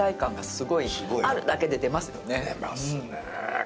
出ますね。